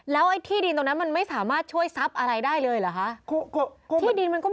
แล้วไอ้ที่ดินตรงนั้นมันไม่สามารถช่วยทรัพย์อะไรได้เลยเหรอคะ